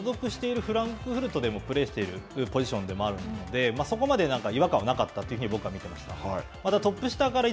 所属しているフランクフルトでもプレーをしているポジションでもあるので、そこまで違和感はなかったというふうに、僕は見てました。